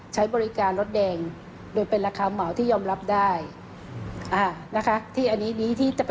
ใช้บริการที่ยอมรับไปได้